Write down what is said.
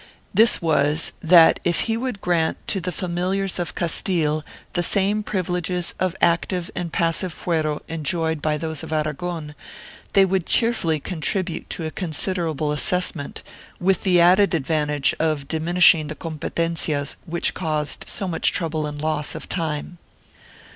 This was that if he would grant to the familiars of Castile the same privileges of active and passive fuero enjoyed by those of Aragon, they would cheerfully contribute to a con siderable assessment, with the added advantage of diminishing the competencias which caused so much trouble and loss of time.